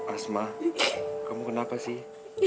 asma kamu kenapa sih